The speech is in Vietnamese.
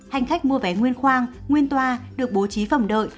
hành khách mua vé nguyên khoang nguyên toa được bố trí phòng đợi